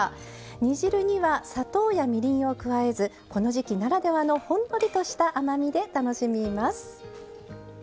煮汁には砂糖やみりんを加えずこの時季ならではのほんのりとした甘みで楽しみます。